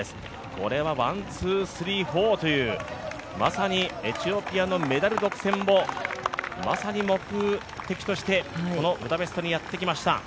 これはワン、ツー、スリー、フォーというまさにエチオピアのメダル独占も目的としてこのブダペストにやってきました。